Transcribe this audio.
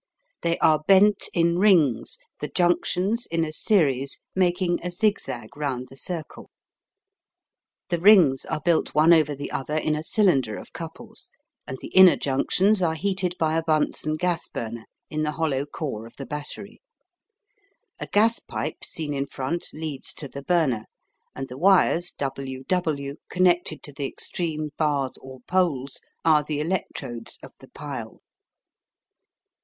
They are bent in rings, the junctions in a series making a zig zag round the circle. The rings are built one over the other in a cylinder of couples, and the inner junctions are heated by a Bunsen gas burner in the hollow core of the battery. A gas pipe seen in front leads to the burner, and the wires WW connected to the extreme bars or poles are the electrodes of the pile.